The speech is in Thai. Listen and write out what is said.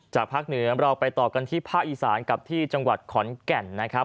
ภาคเหนือเราไปต่อกันที่ภาคอีสานกับที่จังหวัดขอนแก่นนะครับ